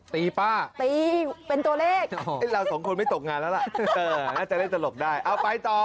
ป้าตีเป็นตัวเลขเราสองคนไม่ตกงานแล้วล่ะน่าจะเล่นตลกได้เอาไปต่อ